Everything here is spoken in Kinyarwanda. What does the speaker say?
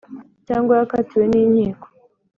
cyangwa yakatiwe ni nkiko